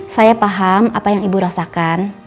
saya paham apa yang ibu rasakan